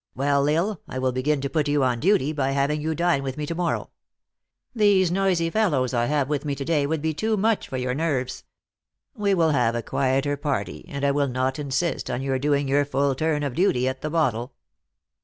" Well, L Isle, I will begin to put you on duty by having you to dine with me to mor row. These noisy fellows I have with me to day would be too much for your nerves. We will have a quieter party, and I will not insist on your doing your full turn of duty at the bottle."